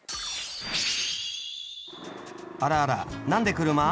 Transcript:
あらあら何で車？